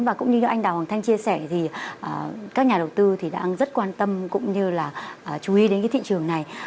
và cũng như như anh đào hoàng thanh chia sẻ thì các nhà đầu tư thì đang rất quan tâm cũng như là chú ý đến cái thị trường này